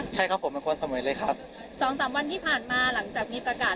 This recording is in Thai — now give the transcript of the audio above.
ใช่ครับผมเป็นคนเสมอเลยครับสองสามวันที่ผ่านมาหลังจากมีประกาศ